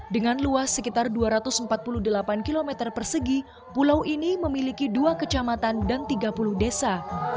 dengan luas sekitar dua ratus empat puluh delapan km persegi pulau ini memiliki dua kecamatan dan tiga puluh desa